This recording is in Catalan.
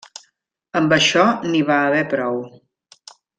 Amb això n'hi va haver prou.